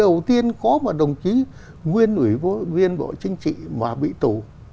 đầu tiên có một đồng chí nguyên ủy viên bộ chính trị mà bị tù